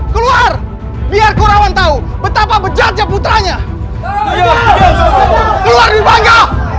keluar biar korawan tahu betapa bejajar putranya keluar di bangga